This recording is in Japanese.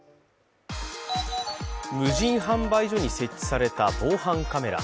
無人販売所に設置された防犯カメラ。